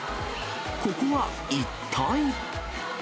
ここは一体？